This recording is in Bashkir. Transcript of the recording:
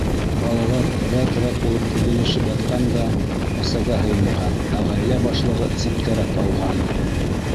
Балалар рәт-рәт булып теҙелешеп ятҡан да, әсәгә һыйынған, ә ғаилә башлығы ситкәрәк ауған...